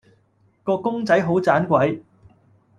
個公仔好盞鬼